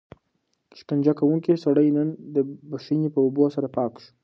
شکنجه کوونکی سړی نن د بښنې په اوبو سره پاک شو.